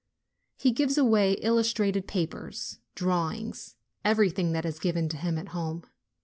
He gives away illustrated papers, drawings, everything that is given him at home.